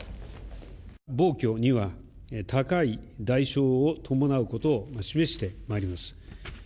暴挙には、高い代償を伴うことを示してまいります。